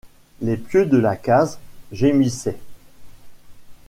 Les pieux de la case gémissaient.